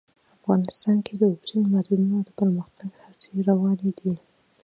افغانستان کې د اوبزین معدنونه د پرمختګ هڅې روانې دي.